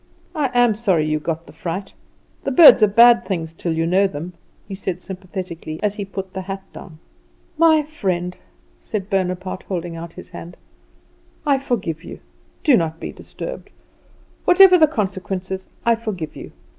"I am sorry you got the fright. The birds are bad things till you know them," he said sympathetically, as he put the hat down. "My friend," said Bonaparte, holding out his hand, "I forgive you; do not be disturbed. Whatever the consequences, I forgive you.